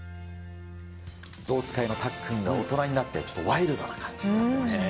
象使いのたっくんが大人になってちょっとワイルドな感じになってましたね。